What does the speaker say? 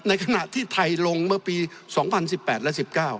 ขณะที่ไทยลงเมื่อปี๒๐๑๘และ๑๙